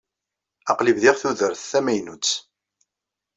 Aql-i bdiɣ tudert tamaynut.